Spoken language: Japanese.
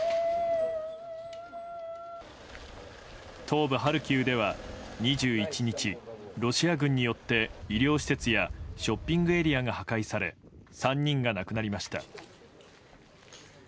東部ハルキウでは２１日ロシア軍によって医療施設やショッピングエリアが破壊され３人が亡くなりました。